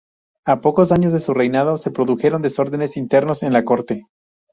A pocos años de su reinado se produjeron desórdenes internos en la corte.